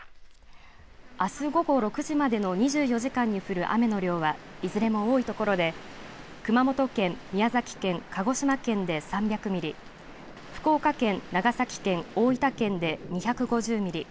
あす午後６時までの２４時間に降る雨の量はいずれも多い所で熊本県、宮崎県鹿児島県で３００ミリ福岡県、長崎県、大分県で２５０ミリ。